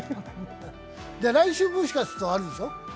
来週も、もしかしたらあるでしょ。